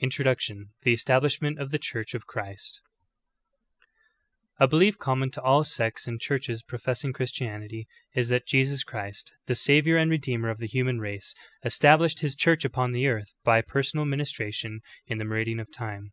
INTRODUCTION : THE ESTABLISHMENT OF THE CHURCH OF CHRIST. 1. A belief common to all sects and churches professing Christianity is that Jesus Christ, the Savior and Redeemer of the human race, established His Church upon the earth, by personal ministration in the meridian of time.